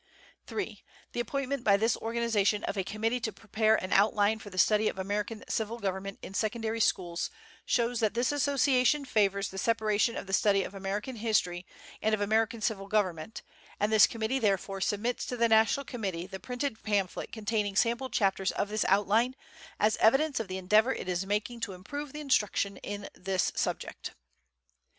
"3. The appointment by this organization of a committee to prepare an outline for the study of American civil government in secondary schools shows that this association favors the separation of the study of American history and of American civil government, and this committee, therefore, submits to the national committee the printed pamphlet containing sample chapters of this outline, as evidence of the endeavor it is making to improve the instruction in this subject.